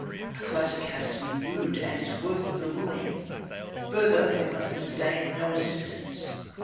A classic has to be wooed and is worth the wooing. Further, we must disdain no assistance.